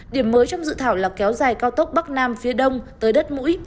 điểm mới trong dự thảo là kéo dài cao tốc bắc nam phía đông tới đất mũi